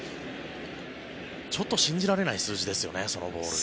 ちょっと信じられない数字ですよね、そのボールが。